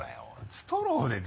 ストローで。